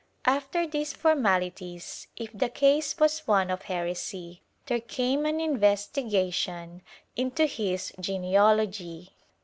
After these formalities, if the case was one of heresy, there came an investigation into his genealogy.